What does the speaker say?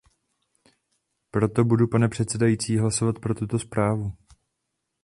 Proto budu, pane předsedající, hlasovat pro tuto zprávu.